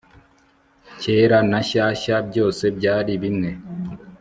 kera na shyashya, byose byari bimwe